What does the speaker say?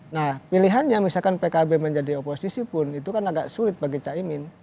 nah pilihannya misalkan pkb menjadi oposisi pun itu kan agak sulit bagi caimin